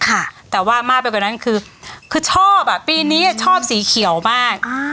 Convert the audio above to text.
ค่ะแต่ว่ามากไปกว่านั้นคือคือชอบอ่ะปีนี้ชอบสีเขียวมากอ่า